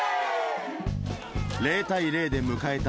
０対０で迎えた